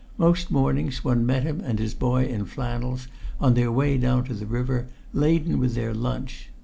Most mornings one met him and his boy in flannels, on their way down to the river, laden with their lunch.